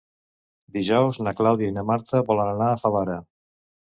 Dijous na Clàudia i na Marta volen anar a Favara.